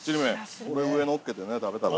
これ上のっけてね食べたら。